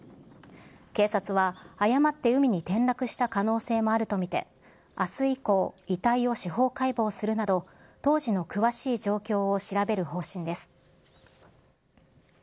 警察は、誤って海に転落した可能性もあると見て、あす以降、遺体を司法解剖するなど、当時の詳しい状況を調べる方針です。